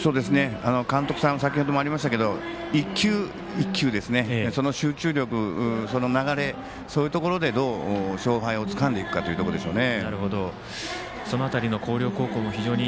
監督さんからもありましたけど一球一球、集中力、流れそういうところでどう勝敗をつかんでいくかというところでしょうね。